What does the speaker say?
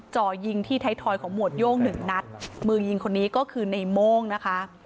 จ่อยิงที่ไทยทอยของหมวดโย่งหนึ่งนัดมือยิงคนนี้ก็คือในโม่งนะคะ